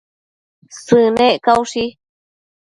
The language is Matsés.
Sënec caushi